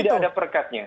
tidak ada perekatnya